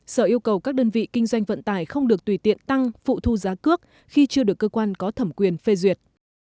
sở yêu cầu các đơn vị kinh doanh vận tải không được tùy tiện tăng phụ thu giá cước khi chưa được cơ quan có thẩm quyền phê duyệt